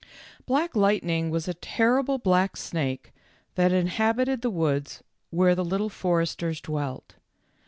Black Lightning was a terrible black snake that inhabited the woods where the Little Fores ters dwelt.